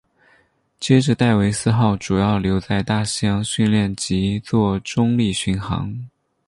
接着戴维斯号主要留在大西洋训练及作中立巡航。